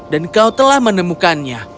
dan kau telah menemukannya